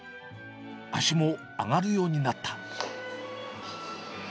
足も上がるようになった。